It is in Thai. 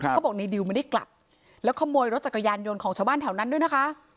เขาบอกในดิวไม่ได้กลับแล้วขโมยรถจักรยานยนต์ของชาวบ้านแถวนั้นด้วยนะคะ